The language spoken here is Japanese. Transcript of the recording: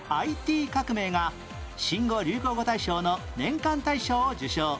「ＩＴ 革命」が新語・流行語大賞の年間大賞を受賞